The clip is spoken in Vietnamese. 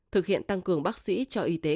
thực hiện tăng cường bác sĩ cho y tế